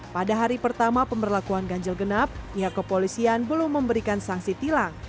pada hari pertama pemberlakuan ganjil genap pihak kepolisian belum memberikan sanksi tilang